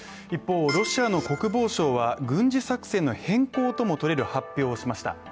一方、ロシアの国防省は軍事作戦の変更ともとれる発表をしました。